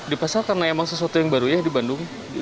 di pasar karena emang sesuatu yang baru ya di bandung